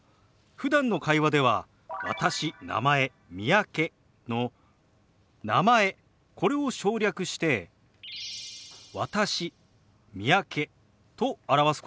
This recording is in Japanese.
ふだんの会話では「私」「名前」「三宅」の「名前」これを省略して「私」「三宅」と表すこともありますよ。